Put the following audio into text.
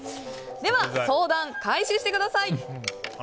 では、相談開始してください。